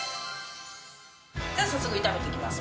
では早速炒めていきます。